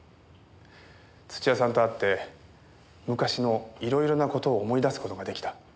土屋さんと会って昔の色々な事を思い出す事が出来た。